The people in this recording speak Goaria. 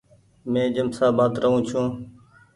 مين جيمشآبآد رهون ڇون۔